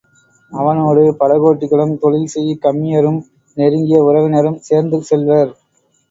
அவனோடு படகோட்டிகளும், தொழில் செய் கம்மியரும், நெருங்கிய உறவினரும் சேர்ந்து செல்வர்.